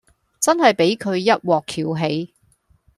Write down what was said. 真係俾佢一鑊蹺起